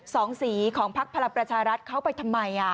สองสีของพักพลังประชารัฐเขาไปทำไม